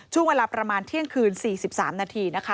ช่วงเวลาประมาณเที่ยงคืน๔๓นาทีนะคะ